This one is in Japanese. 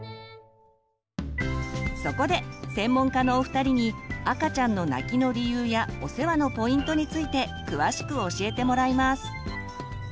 そこで専門家のお二人に赤ちゃんの泣きの理由やお世話のポイントについて詳しく教えてもらいます。